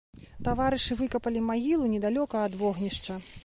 Таварышы выкапалі магілу недалёка ад вогнішча.